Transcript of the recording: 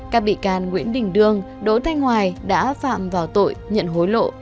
các bị can nguyễn đình đương đỗ thanh hoài đã phạm vào tội nhận hối lộ